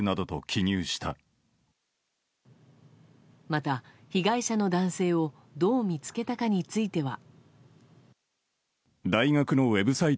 また、被害者の男性をどう見つけたかについては。